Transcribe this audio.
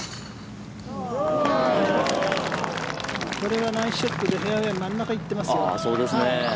これはナイスショットでフェアウェー真ん中行ってますよ。